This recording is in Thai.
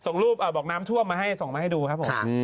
ส่งรูปดอกน้ำท่วมมาให้ดูครับผม